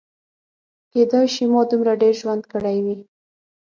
کیدای شي ما دومره ډېر ژوند کړی وي.